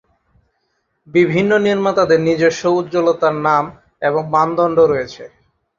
বিভিন্ন নির্মাতাদের নিজস্ব উজ্জ্বলতার নাম এবং মানদন্ড রয়েছে।